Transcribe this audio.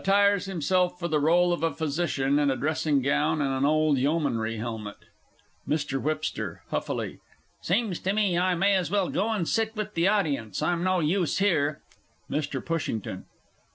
[Attires himself for the rôle of a Physician in a dressing gown and an old yeomanry helmet. MR. WHIPSTER (huffily). Seems to me I may as well go and sit with the audience I'm no use here! MR. PUSHINGTON.